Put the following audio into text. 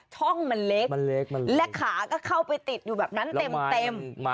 ช่องมันเล็กมันเล็กและขาก็เข้าไปติดอยู่แบบนั้นเต็ม